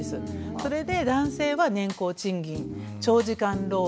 それで男性は年功賃金長時間労働。